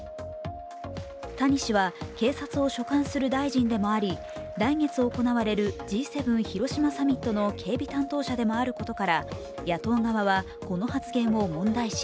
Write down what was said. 谷氏は警察を所管する大臣でもあり来月行われるＧ７広島サミットの警備担当者でもあることから野党側はこの発言を問題視。